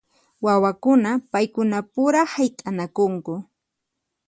Wawakuna paykuna pura hayt'anakunku.